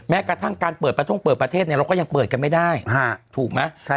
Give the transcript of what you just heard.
กระทั่งการเปิดประท่งเปิดประเทศเนี่ยเราก็ยังเปิดกันไม่ได้ถูกไหม